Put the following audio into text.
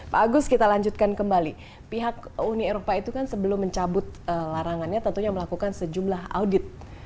pak agus kita lanjutkan kembali pihak uni eropa itu kan sebelum mencabut larangannya tentunya melakukan sejumlah audit